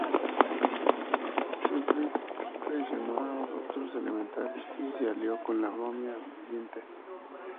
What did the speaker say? Zephyr traicionó a los otros Elementales y se alió con la Momia Viviente.